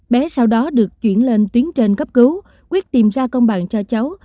bé sau đó được chuyển lên tuyến trên cấp cứu quyết tìm ra công bằng cho cháu